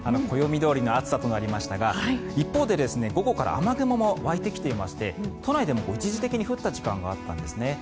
暦どおりの暑さとなりましたが一方で午後から雨雲も湧いてきていまして都内でも一時的に降った時間があるんですね。